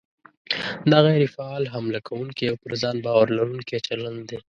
دا غیر فعال، حمله کوونکی او پر ځان باور لرونکی چلند دی.